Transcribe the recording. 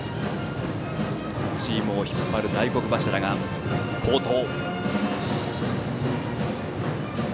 チームを引っ張る大黒柱が好投。